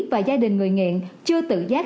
và gia đình người nghiện chưa tự giác